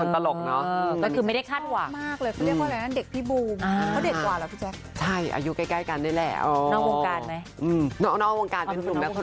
เทียบเข้ม